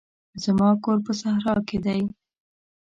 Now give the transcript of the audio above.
زما کور په صحرا کښي دی.